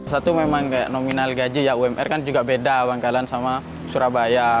satu memang kayak nominal gaji ya umr kan juga beda bangkalan sama surabaya